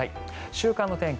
週間の天気